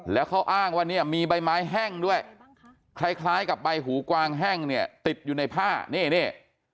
แล้วเขาอ้างว่าเนี่ยมีใบไม้แห้งด้วยคล้ายกับใบหูกวางแห้งเนี่ยติดอยู่ในผ้านี่นี่